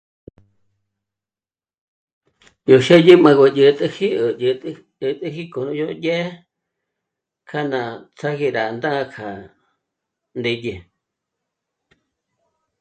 Yó xë́dyi mâgö dyä̀t'äji ó dyä̀t'äji k'o rú dyè'e kja ná ts'ágé rá ndá'a kja ndédye